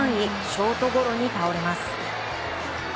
ショートゴロに倒れます。